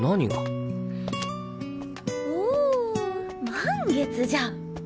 満月じゃ。